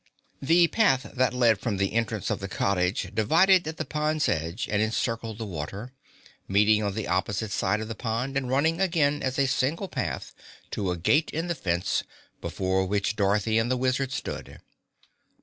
The path that led from the entrance of the cottage divided at the pond's edge and encircled the water, meeting on the opposite side of the pond and running again as a single path to a gate in the fence before which Dorothy and the Wizard stood.